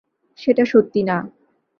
সেটা সত্যি না।